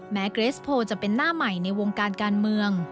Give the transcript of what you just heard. เกรสโพลจะเป็นหน้าใหม่ในวงการการเมือง